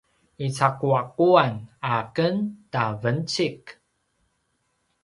icaquaquan a ken ta vencik